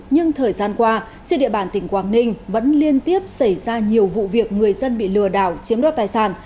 nhưng thời gian qua trên địa bàn tỉnh quảng ninh vẫn liên tiếp xảy ra nhiều vụ việc người dân bị lừa đảo chiếm đoạt tài sản